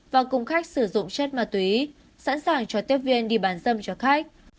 và cùng khách sử dụng chất ma túy sẵn sàng cho tiếp viên đi bán dâm cho khách